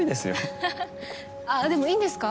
はははっあっでもいいんですか？